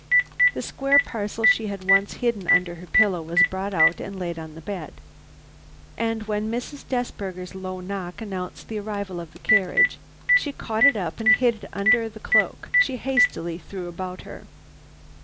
The square parcel she had once hidden under her pillow was brought out and laid on the bed, and when Mrs. Desberger's low knock announced the arrival of the carriage, she caught it up and hid it under the cloak she hastily threw about her.